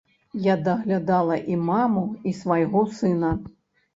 Я даглядала і маму, і свайго сына.